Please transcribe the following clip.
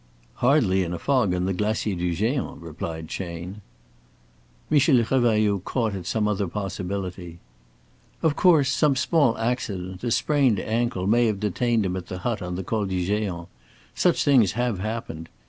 "Hardly in a fog on the Glacier du Géant," replied Chayne. Michel Revailloud caught at some other possibility. "Of course, some small accident a sprained ankle may have detained him at the hut on the Col du Géant. Such things have happened.